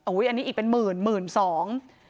อันนี้อีกเป็นหมื่นหมื่นสอง